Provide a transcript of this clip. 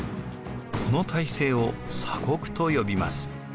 この体制を鎖国と呼びます。